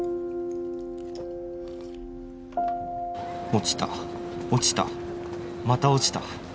「落ちた落ちたまた落ちた」